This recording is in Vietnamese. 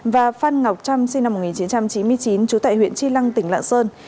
và phan ngọc trâm sinh năm một nghìn chín trăm chín mươi chín chú tại huyện tri lăng tỉnh lạ sơn